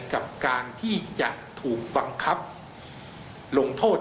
กับการที่จะถูกบังคับลงโทษ